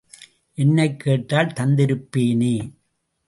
என்னைக் கேட்டால் தந்திருப்பேனே!